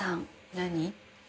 何？